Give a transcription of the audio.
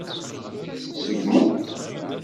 Tṣeggmeḍ-t.